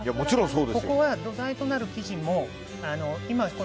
ここは土台となる生地も今、